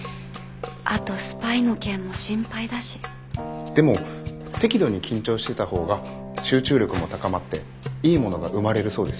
あとスパイの件も心配だしでも適度に緊張してたほうが集中力も高まっていいものが生まれるそうですよ。